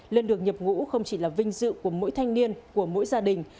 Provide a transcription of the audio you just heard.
lên được nhập ngũ không chỉ là vinh dự của mỗi thanh niên của mỗi gia đình